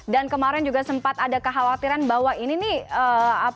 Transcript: dan kemarin juga sempat ada kekhawatiran bahwa ini nih